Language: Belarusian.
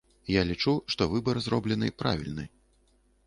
Я лічу, што выбар зроблены правільны.